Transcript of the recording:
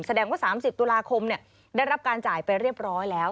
แสดงว่า๓๐ตุลาคมได้รับการจ่ายไปเรียบร้อยแล้ว